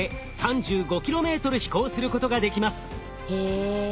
へえ。